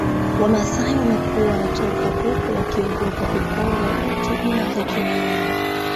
Wamasai wamekuwa wanatoka huko wakiogopa kuporwa utu na hekima yao